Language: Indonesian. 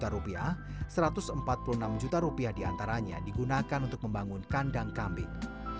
rp tiga satu ratus empat puluh enam juta rupiah diantaranya digunakan untuk membangun kandang kambing